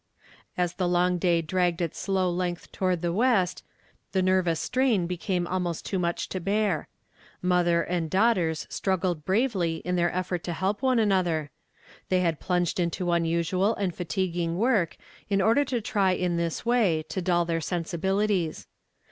As the long day dragged its slow length to 82 YESTERDAY FltAMED IN TO DAY. ward tho west, the nervous strain became almost too much to bear. Mother and daughter strug gled bidvely in their effort to help one another. They had plunged into unusual and fatiguing work in order to try in this way to dull their sen sibilities.